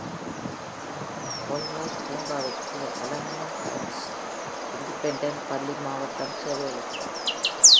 Olmos பூங்காவிற்கு அலமோ heights independent பள்ளி மாவட்டம் சேவையளிக்கிறது.